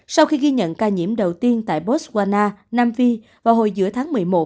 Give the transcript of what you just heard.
sau khi ghi nhận ca nhiễm đầu tiên tại botswana nam phi vào hồi giữa tháng một mươi một